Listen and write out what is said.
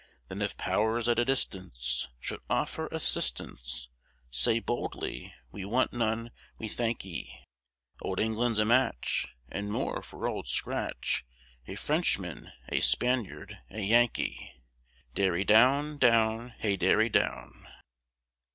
Then if powers at a distance Should offer assistance, Say boldly, "we want none, we thank ye," Old England's a match And more for old scratch, A Frenchman, a Spaniard, a Yankee! Derry down, down, hey derry down.